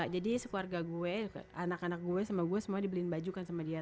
jadi sekeluarga gue anak anak gue sama gue semua dibeliin baju kan sama dia